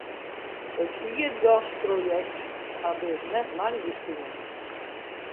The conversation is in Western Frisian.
It ierdgasprojekt hat dus net lang bestien.